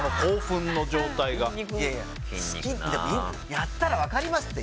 やったら分かりますって。